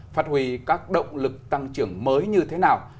phát huy các động lực tăng trưởng mới như thế nào